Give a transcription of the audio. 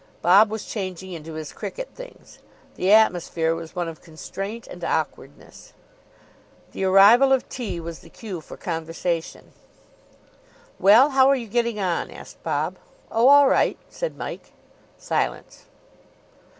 Bob was changing into his cricket things. The atmosphere was one of constraint and awkwardness. The arrival of tea was the cue for conversation. "Well, how are you getting on?" asked Bob. "Oh, all right," said Mike. Silence.